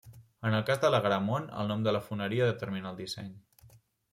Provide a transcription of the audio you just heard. En el cas de la Garamond el nom de la foneria determina el disseny.